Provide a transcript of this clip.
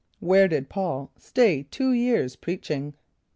= Where did P[a:]ul stay two years, preaching?